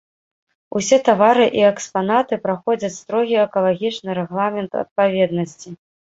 Усе тавары і экспанаты праходзяць строгі экалагічны рэгламент адпаведнасці.